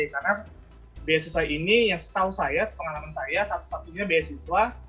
karena beasiswa ini yang setahu saya pengalaman saya satu satunya beasiswa